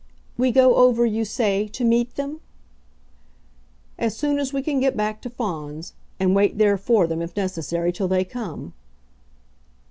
"We go over, you say, to meet them?" "As soon as we can get back to Fawns. And wait there for them, if necessary, till they come."